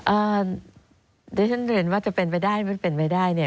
อ่าเดี๋ยวฉันเรียนว่าจะเป็นไปได้ไม่เป็นไปได้เนี่ย